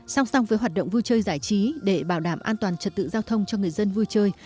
song song với hoạt động vui chơi giải trí để bảo đảm an toàn trật tự giao thông cho người dân vui chơi